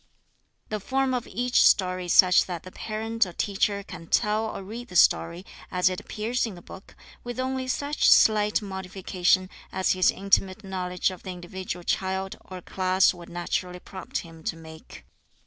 The form of each story is such that the parent or teacher can tell or read the story, as it appears in the book, with only such slight modification as his intimate knowledge of the individual child or class would naturally prompt him to make.